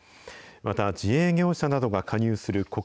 また、自営業者などが加入する国